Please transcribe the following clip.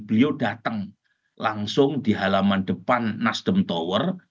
beliau datang langsung di halaman depan nasdem tower